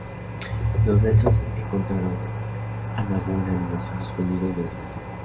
Los Nelson encontraron a Nabu en animación suspendida y lo despertaron.